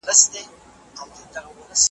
هغه ستونزې چې موږ ورسره مخ یو حل لاره لري.